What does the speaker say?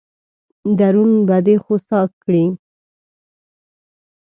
درون به دې خوسا کړي.